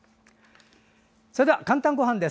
それでは「かんたんごはん」です。